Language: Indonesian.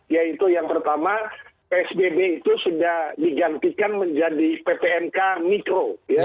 yaitu yang pertama psbb itu sudah digantikan menjadi ppnk mikro